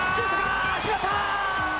決まった！